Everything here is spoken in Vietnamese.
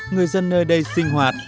người dân nơi đây sinh hoạt